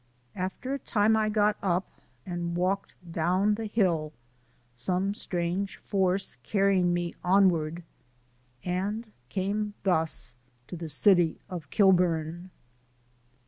After a time I got up and walked down the hill some strange force carrying me onward and came thus to the city of Kilburn.